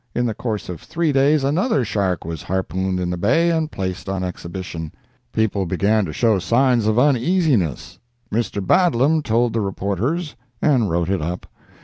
In the course of three days another shark was harpooned in the Bay and placed on exhibition. People began to show signs of uneasiness. Mr. Badlam told the reporters and wrote it up.